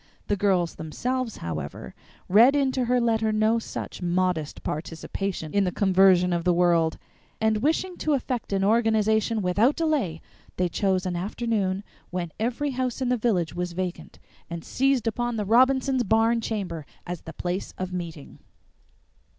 The girls themselves, however, read into her letter no such modest participation in the conversion of the world, and wishing to effect an organization without delay, they chose an afternoon when every house in the village was vacant, and seized upon the Robinsons' barn chamber as the place of meeting.